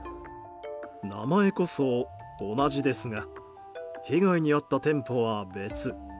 名前こそ同じですが被害に遭った店舗は別。